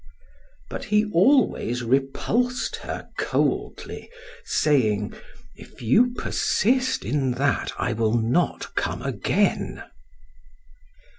But he always repulsed her coldly, saying: "If you persist in that, I will not come again."